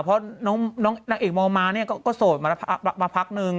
เพราะน้องนางเอกมมาเนี่ยก็โสดมาพักนึง